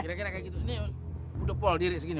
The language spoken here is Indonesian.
kira kira kayak gitu ini udah pol diri segini